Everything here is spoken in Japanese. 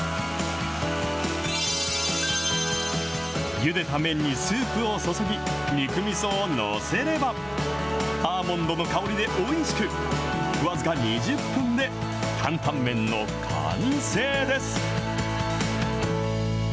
ゆでた麺にスープを注ぎ、肉みそを載せれば、アーモンドの香りでおいしく、僅か２０分でタンタン麺の完成です。